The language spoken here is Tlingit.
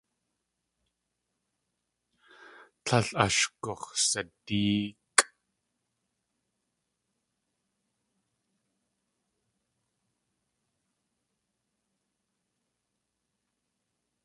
Tlél ash gux̲sadéekʼ.